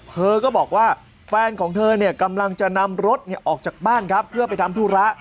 เธอก็บอกว่าแฟนของเธอกำลังจะนำรถออกจากบ้านครับเพื่อไปทำธุระ